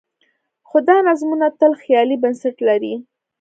خو دا نظمونه تل خیالي بنسټ لري.